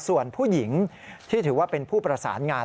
ส่วนผู้หญิงที่ถือว่าเป็นผู้ประสานงาน